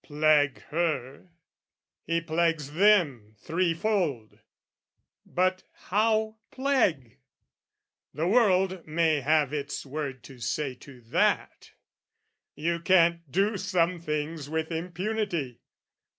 Plague her, he plagues them threefold: but how plague? The world may have its word to say to that: You can't do some things with impunity.